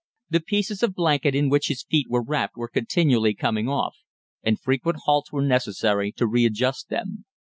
The pieces of blanket in which his feet were wrapped were continually coming off, and frequent halts were necessary to readjust them.